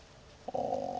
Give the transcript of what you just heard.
ああ。